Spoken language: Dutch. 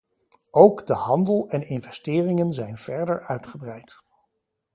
Ook de handel en investeringen zijn verder uitgebreid.